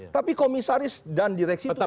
tapi komisaris dan direksi itu